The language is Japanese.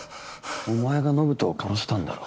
お前が延人を殺したんだろ？